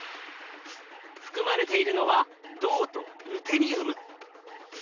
含まれているのは銅とルテニウム。